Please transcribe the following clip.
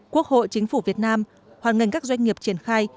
quốc hội chính phủ việt nam hoàn ngành các doanh nghiệp triển khai